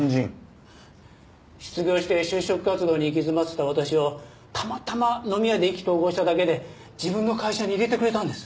失業して就職活動に行き詰まってた私をたまたま飲み屋で意気投合しただけで自分の会社に入れてくれたんです。